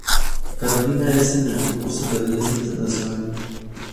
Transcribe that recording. Carolina en el concurso de belleza internacional